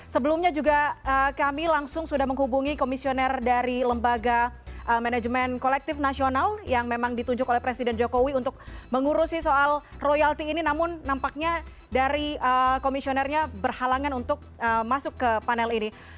sebelumnya juga kami langsung sudah menghubungi komisioner dari lembaga manajemen kolektif nasional yang memang ditunjuk oleh presiden jokowi untuk mengurusi soal royalti ini namun nampaknya dari komisionernya berhalangan untuk masuk ke panel ini